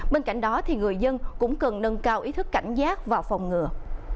bên cạnh đó người dân cũng cần nâng cao ý thức cảnh giác và phòng ngừa